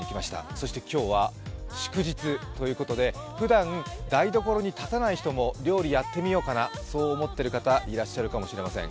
そして今日は祝日ということでふだん台所に立たない人も料理やってみようかな、そう思っている方、いらっしゃるかもしれません。